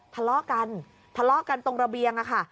ทะเลาะกันทะเลาะกันตรงระเบียงค่ะ